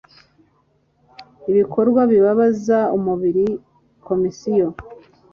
ibikorwa bibabaza umubiri Komisiyo